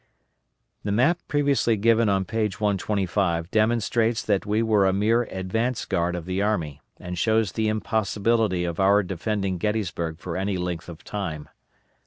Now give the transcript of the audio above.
The map previously given on page 125 demonstrates that we were a mere advance guard of the army, and shows the impossibility of our defending Gettysburg for any length of time.